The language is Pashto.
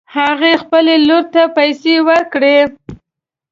هغې خپلې لور ته پیسې ورکړې